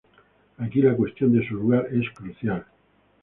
Aquí, la cuestión de su lugar es crucial.